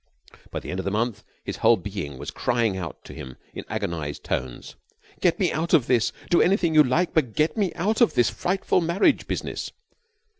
By the end of the month his whole being was crying out to him in agonized tones: "Get me out of this. Do anything you like, but get me out of this frightful marriage business."